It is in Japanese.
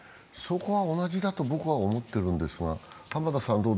そこは同じだと僕は思ってるんですが、浜田さん